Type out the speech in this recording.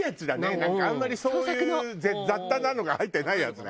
なんかあんまりそういう雑多なのが入ってないやつね。